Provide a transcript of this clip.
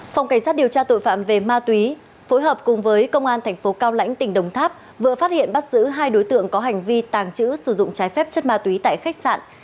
phòng cảnh sát điều tra tội phạm về ma túy phối hợp cùng với công an thành phố cao lãnh tỉnh đồng tháp vừa phát hiện bắt giữ hai đối tượng có hành vi tàng trữ sử dụng trái phép chất ma túy tại khách sạn